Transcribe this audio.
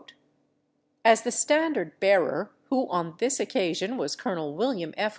As the standard bearer, who on this occasion was Col. William F.